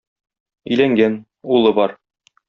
Өйләнгән, улы бар.